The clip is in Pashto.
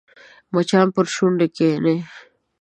مچان پر شونډو کښېني